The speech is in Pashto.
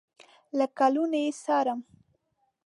له کلونو یې څارلم